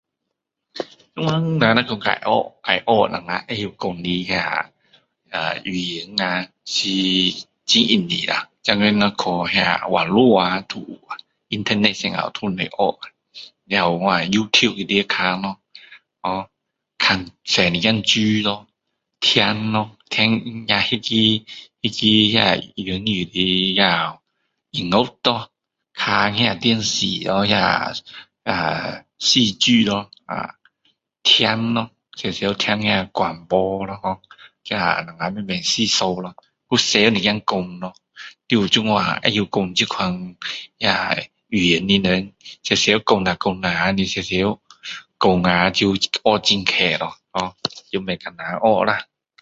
现今我们若要学要学我们会知讲的那啊语言啊很很容易啦现今若去那网络啊都有啊internet那些都有得学也有youtube里面看咯ho看多一点书咯听咯听那个那个言语的那音乐咯看那电视那呃戏剧咯啊听咯常常听那广播咯ho那我们慢慢吸收咯要常一点讲咯要有这样会知道那种语言的人常常讲啦讲啦常常讲啊就学很快咯ho也不困难学啦